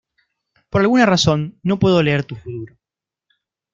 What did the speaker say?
Por alguna razón, no puedo leer tu futuro.